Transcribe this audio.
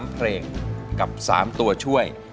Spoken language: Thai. ๓เพลงกับ๓ตัวช่วย